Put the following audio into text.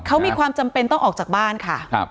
เขามีความจำเป็นต้องออกจากบ้านค่ะ